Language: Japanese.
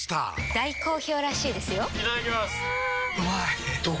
大好評らしいですよんうまい！